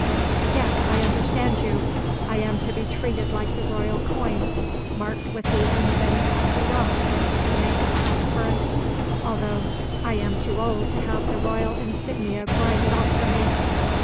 "Yes, I understand you. I am to be treated like the royal coin, marked with the ensign of the Rump to make it pass current, although I am too old to have the royal insignia grinded off from me.